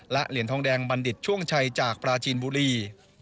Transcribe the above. และเหรียญทองแดงบัณฑิตช่วงชัยจากปราจีนบุรี